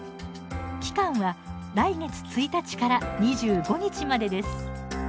期間は来月１日から２５日までです。